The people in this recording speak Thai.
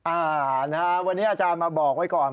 อ่านะฮะวันนี้อาจารย์มาบอกไว้ก่อน